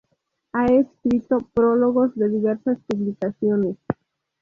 Ha escrito prólogos de diversas publicaciones.